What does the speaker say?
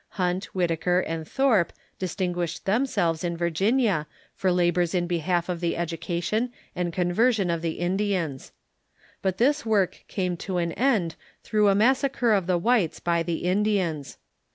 Hunt, Whitaker, and Thorpe distinguished themselves in Virginia for labors in be half of the education and conversion of the Indians. But this work came to an end through a massacre of the whites by the Indians.